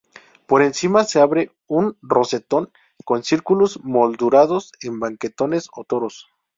Por encima se abre un rosetón con círculos moldurados en baquetones o toros.